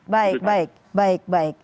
baik baik baik baik